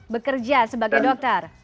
bekerja sebagai dokter